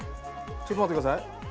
ちょっと待って下さい。